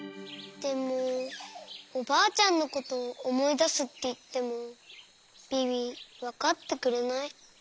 でもおばあちゃんのことおもいだすっていってもビビわかってくれない。